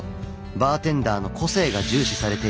バーテンダーの個性が重視されているというのです。